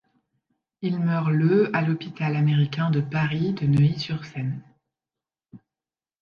Il meurt le à l'hôpital américain de Paris de Neuilly-sur-Seine.